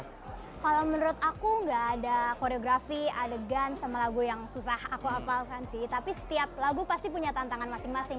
kalau menurut aku gak ada koreografi adegan sama lagu yang susah aku hafalkan sih tapi setiap lagu pasti punya tantangan masing masing